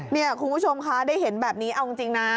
นี่คุณผู้ชมคะได้เห็นแบบนี้เอาจริงนะ